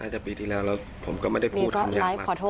น่าจะปีที่แล้วแล้วผมก็ไม่ได้พูดคำอยากมาก